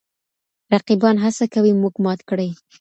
رقیبان هڅه کوي موږ مات کړي.